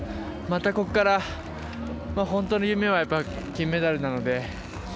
またここから、本当の夢は金メダルなので。